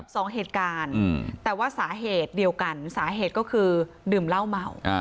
สองเหตุการณ์แต่ว่าสาเหตุเดียวกันสาเหตุก็คือดื่มเหล้าเมา